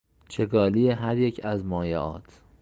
چگالی هریک از مایعات